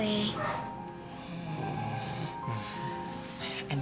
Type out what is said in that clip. tadi kamu kenapa bisa jalan